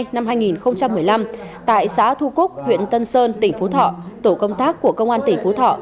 năm hai nghìn một mươi năm tại xã thu cúc huyện tân sơn tỉnh phú thọ tổ công tác của công an tỉnh phú thọ